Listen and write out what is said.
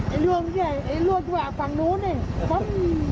ไอ้ล่วงนี่ไอ้ล่วงกล้าฝั่งนู้นเนี่ยป๊อบ